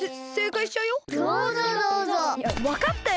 いやわかったよ。